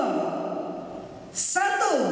kita harus melakukan perbaikan